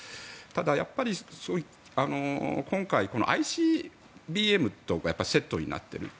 ただ、今回ＩＣＢＭとセットになっている。